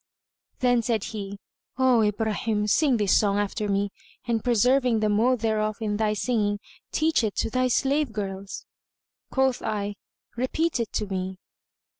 Then said he, "O Ibrahim, sing this song after me, and preserving the mode thereof in thy singing, teach it to thy slave girls." Quoth I, "Repeat it to me."